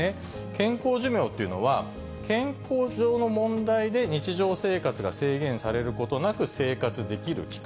健康寿命というのは、健康上の問題で日常生活が制限されることなく生活できる期間。